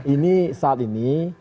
ini saat ini